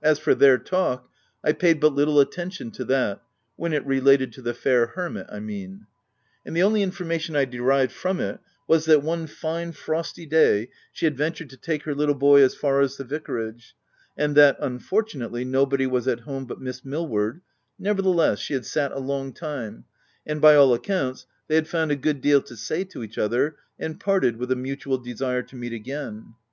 As for their talk, I paid but little attention to that (when it related to the fair hermit, I mean,) and the only informa tion, I derived from it, was that, one fine, frosty day, she had ventured to take her little boy as far as the vicarage, and that, unfortunately, nobody was at home but Miss Millward ; 94 THE TENANT nevertheless, she had sat a long time, and, by all accounts, they had found a good deal to say to each other, and parted with a mutual desire to meet again.